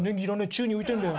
宙に浮いてるんだよ